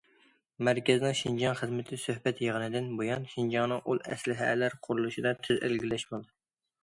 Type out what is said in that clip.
مەركەزنىڭ شىنجاڭ خىزمىتى سۆھبەت يىغىنىدىن بۇيان، شىنجاڭنىڭ ئۇل ئەسلىھەلەر قۇرۇلۇشىدا تېز ئىلگىرىلەش بولدى.